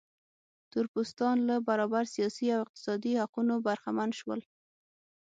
تور پوستان له برابرو سیاسي او اقتصادي حقونو برخمن شول.